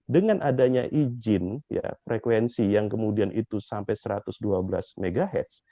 dengan adanya izin ya frekuensi yang kemudian itu sampai satu ratus dua belas mhz